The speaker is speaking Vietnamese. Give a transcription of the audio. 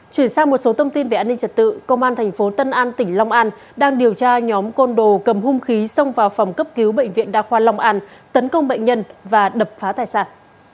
chuyển sang một số thông tin về an ninh trật tự công an thành phố tân an tỉnh long an đang điều tra nhóm côn đồ cầm hung khí xông vào phòng cấp cứu bệnh viện đa khoa long an tấn công bệnh nhân và đập phá tài sản